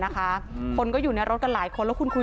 คนก็อยู่ในรถกันหลายคน